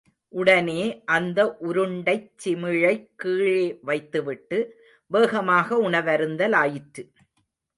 உடனே அந்த உருண்டைச் சிமிழைக் கீழே வைத்துவிட்டு வேகமாக உணவருந்தலாயிற்று.